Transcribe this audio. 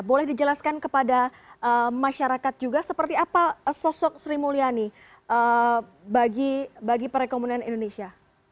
boleh dijelaskan kepada masyarakat juga seperti apa sosok sri mulyani bagi perekonomian indonesia